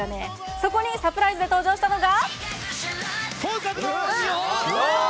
そこにサプライズで登場したのが。